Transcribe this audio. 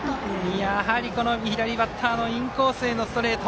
やはり左バッターのインコースへのストレート。